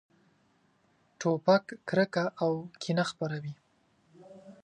توپک کرکه او کینه خپروي.